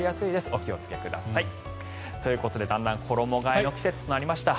お気をつけください。ということで、だんだん衣替えの季節となりました。